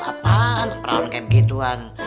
apaan perawan kayak begituan